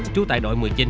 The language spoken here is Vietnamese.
trú tại đội một mươi chín